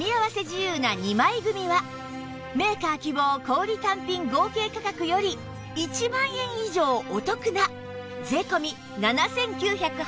自由な２枚組はメーカー希望小売単品合計価格より１万円以上お得な税込７９８０円